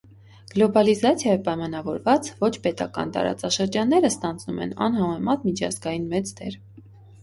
Գլոբալիզացիայով պայմանավորված՝ ոչ պետական տարածաշրջանները ստանձնում են անհամեմատ միջազգային մեծ դեր։